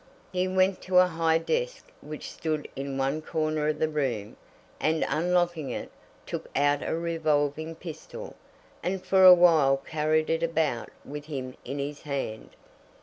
He went to a high desk which stood in one corner of the room, and unlocking it, took out a revolving pistol, and for a while carried it about with him in his hand.